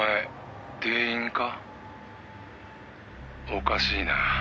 「おかしいな。